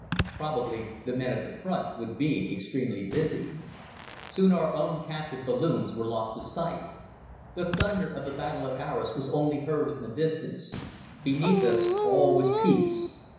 Probably the men at the front would be extremely busy. Soon our own captive balloons were lost to sight. The thunder of the Battle of Arras was only heard in the distance. Beneath us all was peace.